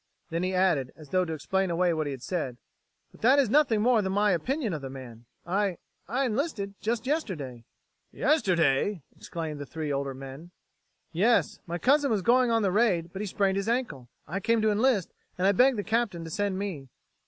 Then he added, as though to explain away what he had said: "But that is nothing more than my opinion of the man. I ... I enlisted just yesterday." "Yesterday!" exclaimed the three older men. "Yes. My cousin was going on the raid, but he sprained his ankle. I came to enlist, and I begged the Captain to send me."